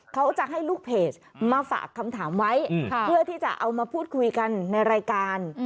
เขาจะให้ลูกเพจมาฝากคำถามไว้เพื่อที่จะเอามาพูดคุยกันในรายการ